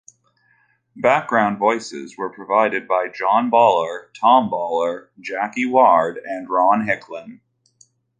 Background voices were provided by John Bahler, Tom Bahler, Jackie Ward, and Ron Hicklin.